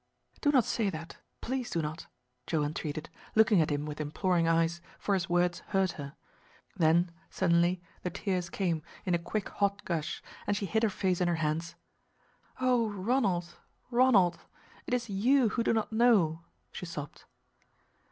"Do not say that please do not," Joe entreated, looking at him with imploring eyes, for his words hurt her. Then suddenly the tears came in a quick hot gush, and she hid her face in her hands. "Oh, Ronald, Ronald it is you who do not know," she sobbed.